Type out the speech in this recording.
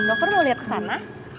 dokter mau liat kesana